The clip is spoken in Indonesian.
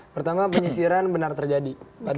pertama penyisiran benar terjadi